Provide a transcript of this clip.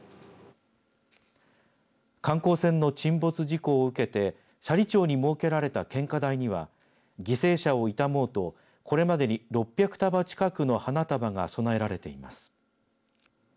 観光船の沈没事故を受けて斜里町に設けられた献花台には犠牲者を悼もうと、これまでに６００束近くの花束が供えられています。